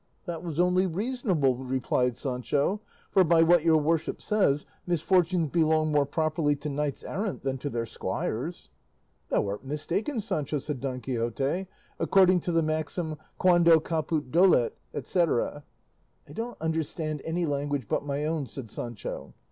"That was only reasonable," replied Sancho, "for, by what your worship says, misfortunes belong more properly to knights errant than to their squires." "Thou art mistaken, Sancho," said Don Quixote, "according to the maxim quando caput dolet, etc." "I don't understand any language but my own," said Sancho.